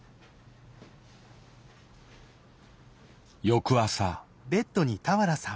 翌朝。